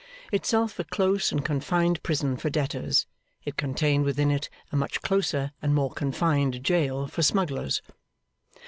Itself a close and confined prison for debtors, it contained within it a much closer and more confined jail for smugglers.